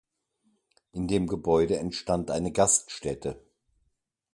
In dem Gebäude entstand eine Gaststätte.